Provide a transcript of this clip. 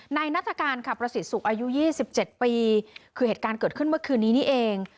นัฐกาลค่ะประสิทธิ์สุขอายุ๒๗ปีคือเหตุการณ์เกิดขึ้นเมื่อคืนนี้นี่เอง